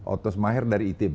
otos maher dari itb